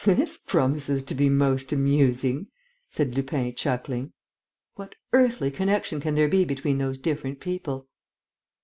"This promises to be most amusing," said Lupin, chuckling. "What earthly connection can there be between those different people?"